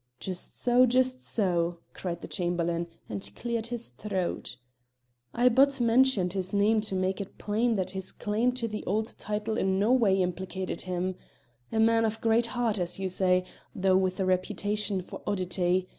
"Just so, just so!" cried the Chamberlain, and cleared his throat. "I but mentioned his name to make it plain that his claim to the old title in no way implicated him. A man of great heart, as you say, though with a reputation for oddity.